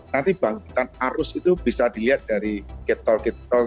nanti bangkitan arus itu bisa dilihat dari gate toll gate toll